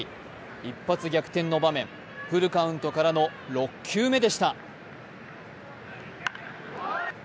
一発逆転の場面、フルカウントからの６球目でした。